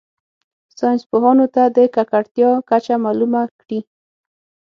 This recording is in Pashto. ساینس پوهانو ته د ککړتیا کچه معلومه کړي.